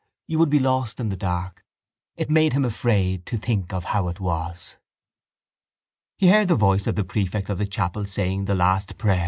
You would be lost in the dark. It made him afraid to think of how it was. He heard the voice of the prefect of the chapel saying the last prayer.